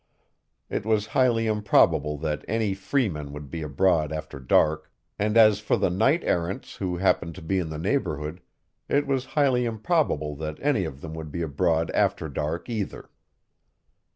It was highly improbable that any freemen would be abroad after dark, and as for the knight errants who happened to be in the neighborhood, it was highly improbable that any of them would be abroad after dark either.